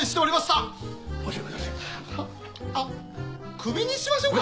あっクビにしましょうか？